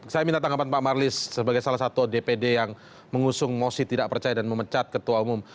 saya minta tanggapan pak marlis sebagai salah satu dpd yang mengusung mosi tidak percaya dan memecat ketua umum